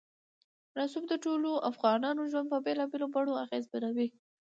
رسوب د ټولو افغانانو ژوند په بېلابېلو بڼو اغېزمنوي.